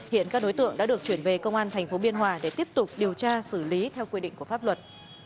hiện các đối tượng đã được chuyển về công an tp biên hòa để tiếp tục điều tra xử lý theo quy định của pháp luật